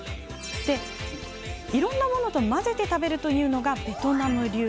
いろんなものと混ぜて食べるというのがベトナム流。